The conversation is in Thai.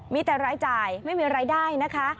มีแต่รายจ่ายไม่มีรายได้นะคะ